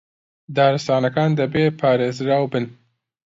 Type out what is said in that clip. دارستانەکان دەبێ پارێزراو بن